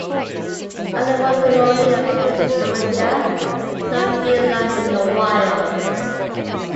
Only one colony of King's lomatia is known to be alive in the wild.